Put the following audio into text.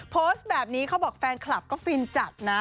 โพสต์แบบนี้เขาบอกแฟนคลับก็ฟินจัดนะ